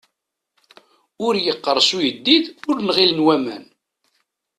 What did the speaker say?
Ur yeqqers uyeddid ur nɣilen waman.